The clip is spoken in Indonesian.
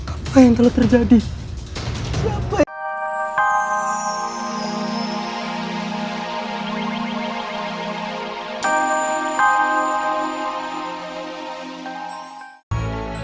apa yang telah terjadi siapa yang telah terjadi